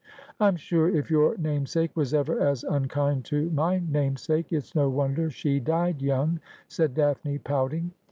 ' I'm sure if your namesake was ever as unkind to my name sake, it's no wonder she died young,' said Daphne, pouting.